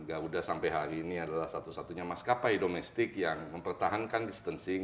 garuda sampai hari ini adalah satu satunya maskapai domestik yang mempertahankan distancing